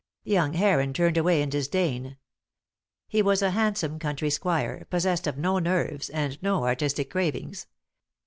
Young Heron turned away in disdain. He was a handsome country squire, possessed of no nerves, and no artistic cravings.